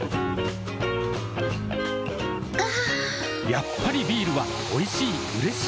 やっぱりビールはおいしい、うれしい。